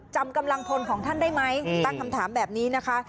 จำกำลังพลของท่านได้ไหมตั้งคำถามแบบนี้นะคะ